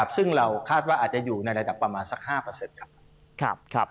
ซึ่งเราคาดว่าอาจจะอยู่ในระดับประมาณสัก๕ครับ